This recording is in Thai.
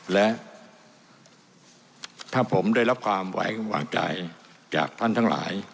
และถ้าผมได้รับความไว้วางใจจากท่านทั้งหลาย